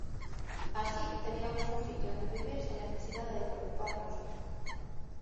Así, teriamos un sitio onde vivir sen necesidade de preocuparnos.